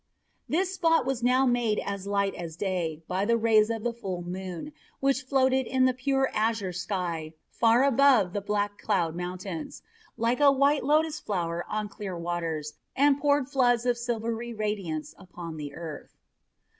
This spot was now made as light as day by the rays of the full moon which floated in the pure azure sky far above the black cloud mountains, like a white lotus flower on clear waters, and poured floods of silvery radiance upon the earth.